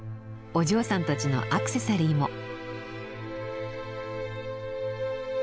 お嬢さんたちのアクセサリーも！